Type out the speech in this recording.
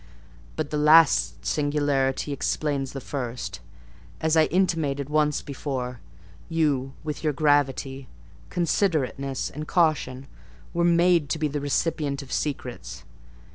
But the last singularity explains the first, as I intimated once before: you, with your gravity, considerateness, and caution were made to be the recipient of secrets.